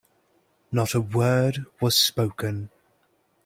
Not a word was spoken.